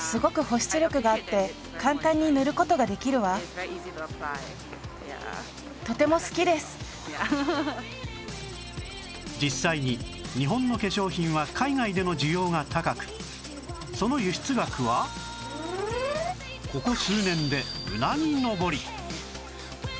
それと実際に日本の化粧品は海外での需要が高くその輸出額はここ数年でうなぎ登り！